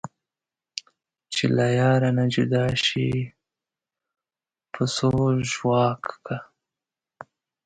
چې له یاره نه جدا شي پسو ژواک کا